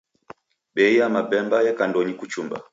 Bei ya mabemba eka ndonyi kuchumba.